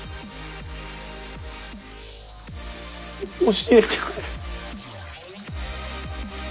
教えてくれ。